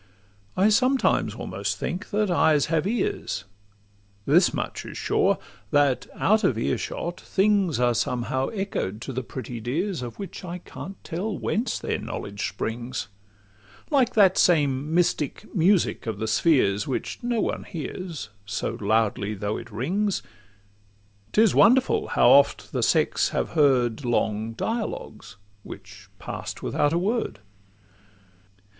I sometimes almost think that eyes have ears: This much is sure, that, out of earshot, things Are somehow echoed to the pretty dears, Of which I can't tell whence their knowledge springs. Like that same mystic music of the spheres, Which no one bears, so loudly though it rings, 'Tis wonderful how oft the sex have heard Long dialogues—which pass'd without a word!